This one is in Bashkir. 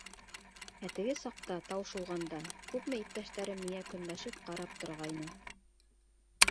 Ә теге саҡта тау шыуғанда, күпме иптәштәрем миңә көнләшеп ҡарап торғайны.